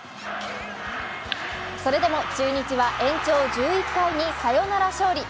それでも中日は延長１１回にサヨナラ勝利。